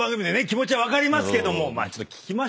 気持ちは分かりますけども聞きましょう。